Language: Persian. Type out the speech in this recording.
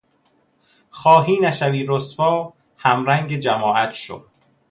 خواهی نشوی رسوا همرنگ جماعت شو